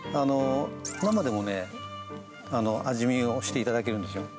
生でも味見していただけるんですよ。